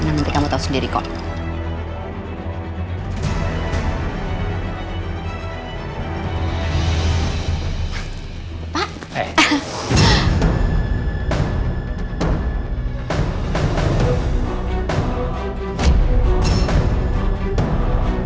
nanti kamu tau sendiri kok